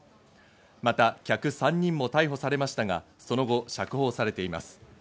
また客３人も逮捕されましたが、その後、釈放されています。